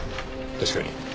確かに。